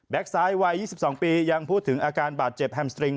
ไซต์วัย๒๒ปียังพูดถึงอาการบาดเจ็บแฮมสตริง